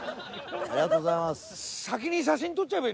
ありがとうございます。